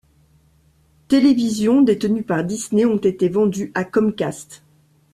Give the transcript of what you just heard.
Television détenus par Disney ont été vendus à Comcast.